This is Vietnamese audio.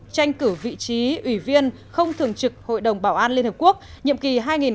tranh cử vị trí ủy viên không thường trực hội đồng bảo an liên hợp quốc nhiệm kỳ hai nghìn hai mươi hai nghìn hai mươi một